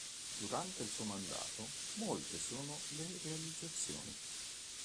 Durante il suo mandato molte sono le realizzazioni.